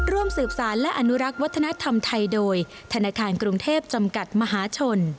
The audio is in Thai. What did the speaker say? ร่วมสืบสารและอนุรักษ์วัฒนธรรมไทยโดยธนาคารกรุงเทพจำกัดมหาชน